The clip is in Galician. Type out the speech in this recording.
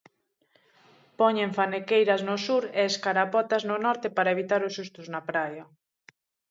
Poñen fanequeiras no sur e escarapotas no norte para evitar os sustos na praia.